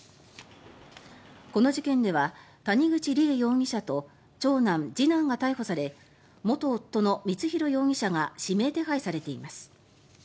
この事件では谷口梨恵容疑者と長男、次男が逮捕され元夫の光弘容疑者が指名手配されています。